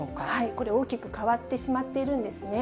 これ、大きく変わってしまっているんですね。